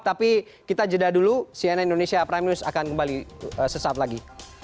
tapi kita jeda dulu cnn indonesia prime news akan kembali sesaat lagi